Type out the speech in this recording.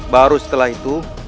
baru setelah itu